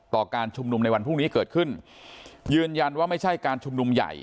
การชุมนุมในวันพรุ่งนี้เกิดขึ้นยืนยันว่าไม่ใช่การชุมนุมใหญ่